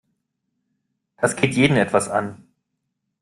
Das geht jeden etwas an.